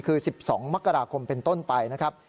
คือ๑๒มกราคมเป็นต้นไปนะครับ